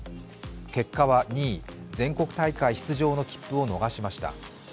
結果は２位、全国大会出場の切符を逃しました。